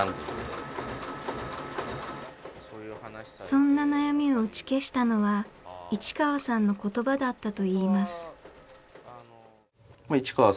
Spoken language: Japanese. そんな悩みを打ち消したのは市川さんの言葉だったといいます。